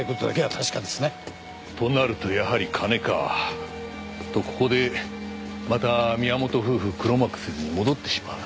となるとやはり金か。とここでまた宮本夫婦黒幕説に戻ってしまう。